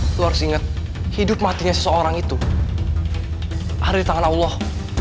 itu harus ingat hidup matinya seseorang itu ada di tangan allah